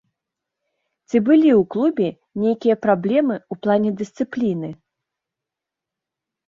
Ці былі ў клубе нейкія праблемы ў плане дысцыпліны?